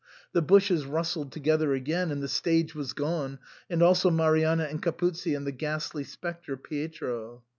The bushes rustled together again, and the stage was gone, and also Marianna and Capuzzi and the ghastly spectre Pietro.